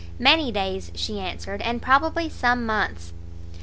Many days, she answered, and probably some months.